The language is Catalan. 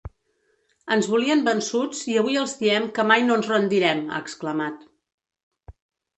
Ens volien vençuts i avui els diem que mai no ens rendirem, ha exclamat.